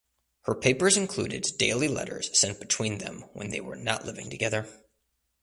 Her papers included daily letters sent between them when they were not living together.